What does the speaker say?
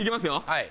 はい。